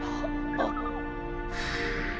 あっ。